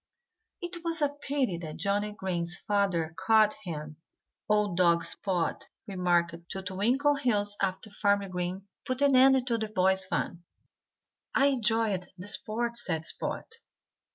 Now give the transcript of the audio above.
"It was a pity that Johnnie Green's father caught him," old dog Spot remarked to Twinkleheels after Farmer Green put an end to the boys' fun. "I enjoyed the sport," said Spot.